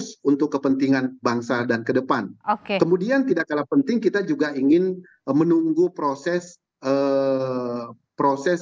baik bagi bangsa ini kita oke